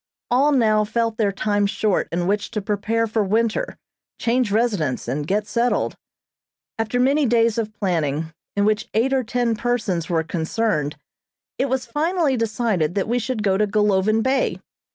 All now felt their time short in which to prepare for winter, change residence, and get settled. After many days of planning, in which eight or ten persons were concerned, it was finally decided that we should go to Golovin Bay.